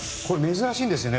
珍しいんですよね